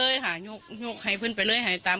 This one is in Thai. ยกให้เพื่อนไปเลย